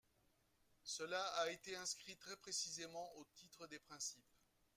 Cela a été inscrit très précisément au titre des principes.